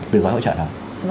từ gói hỗ trợ đó